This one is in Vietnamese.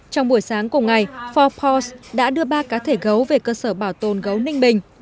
trong buổi sáng cùng ngày forbour đã đưa ba cá thể gấu về cơ sở bảo tồn gấu ninh bình